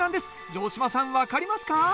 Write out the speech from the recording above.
城島さん分かりますか？